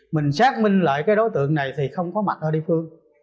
mình xác minh lại cái đối tượng này thì không có mặt ở địa phương